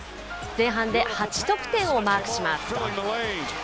前半で８得点をマークします。